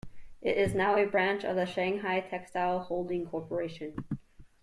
It is now a branch of the Shanghai Textile Holding Corporation.